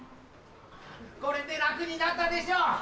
これで楽になったでしょ？